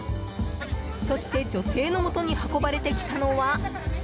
そして女性のもとに運ばれてきたのは。